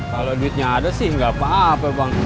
kalau duitnya ada sih nggak apa apa bang